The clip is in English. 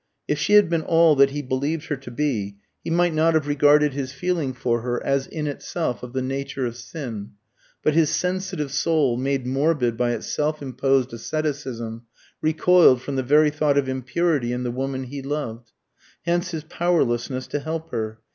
If she had been all that he believed her to be, he might not have regarded his feeling for her as in itself of the nature of sin; but his sensitive soul, made morbid by its self imposed asceticism, recoiled from the very thought of impurity in the woman he loved. Hence his powerlessness to help her.